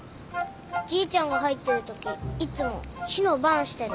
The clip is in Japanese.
じいちゃんが入ってるときいつも火の番してる。